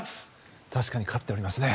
確かに勝っておりますね。